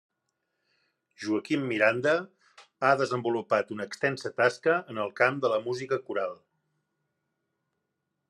Joaquim Miranda ha desenvolupat una extensa tasca en el camp de la música coral.